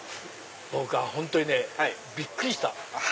僕は本当にねびっくりした。